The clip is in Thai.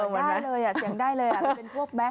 ได้เลยอ่ะเสียงได้เลยอ่ะ